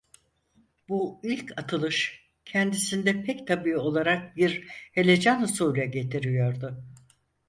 Bu ilk atılış kendisinde pek tabii olarak bir helecan husule getiriyordu.